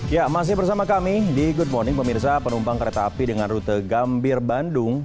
ya masih bersama kami di good morning pemirsa penumpang kereta api dengan rute gambir bandung